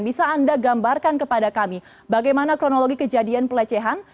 bisa anda gambarkan kepada kami bagaimana kronologi kejadian pelecehan